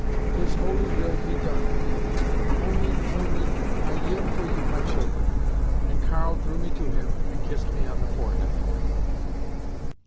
His holy will be done! Only only, I yearn for you, my children!"—and Karl drew me to him, and kissed me on the forehead.